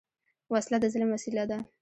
وسله د ظلم وسیله ده